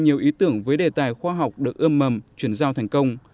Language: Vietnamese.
nhiều ý tưởng với đề tài khoa học được ươm mầm chuyển giao thành công